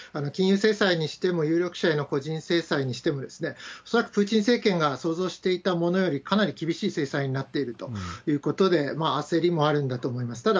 金融制裁にしても、有力者への個人制裁にしても、恐らくプーチン政権が想像していたものよりかなり厳しい制裁になっているということで、焦りもあるんだと思います。